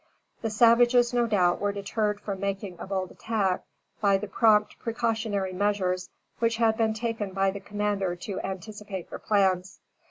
The savages, no doubt, were deterred from making a bold attack by the prompt precautionary measures which had been taken by the commander to anticipate their plans.